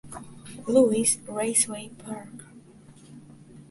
Louis Raceway Park.